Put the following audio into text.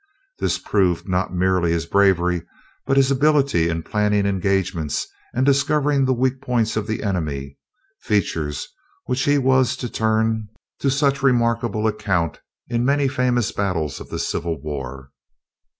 This proved not merely his bravery, but his ability in planning engagements and discovering the weak points of the enemy features which he was to turn to such remarkable account in many famous battles of the Civil War.